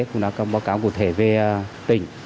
cũng đã có báo cáo cụ thể về tỉnh